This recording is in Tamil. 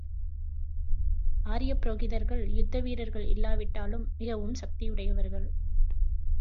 ஆரியப் புரோகிதர்கள் யுத்த வீரர்கள் இல்லாவிட்டாலும் மிகவும் சக்தி உடையவர்கள்.